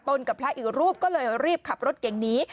กับพระอีกรูปก็เลยรีบขับรถเก่งนี้